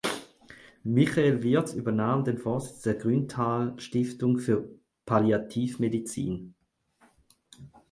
Michael Wirtz übernahm den Vorsitz der Grünenthal-Stiftung für Palliativmedizin.